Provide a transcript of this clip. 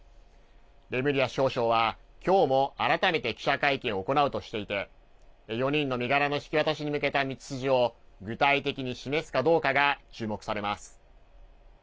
レムリア司法相は、きょうも改めて記者会見を行うとしていて、４人の身柄の引き渡しに向けた道筋を具体的に示すかどうかが注目されます。